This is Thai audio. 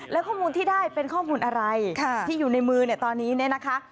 แล้วข้อมูลที่ได้เป็นข้อมูลอะไรที่อยู่ในมือเนี่ยตอนนี้เนี่ยนะคะ